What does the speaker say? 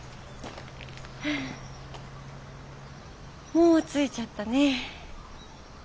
もう着いちゃったね。